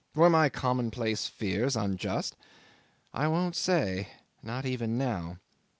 Were my commonplace fears unjust? I won't say not even now.